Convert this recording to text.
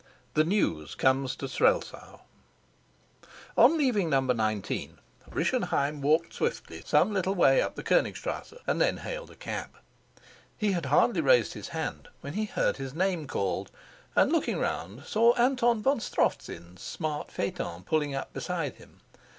THE NEWS COMES TO STRELSAU ON leaving No. 19, Rischenheim walked swiftly some little way up the Konigstrasse and then hailed a cab. He had hardly raised his hand when he heard his name called, and, looking round, saw Anton von Strofzin's smart phaeton pulling up beside him.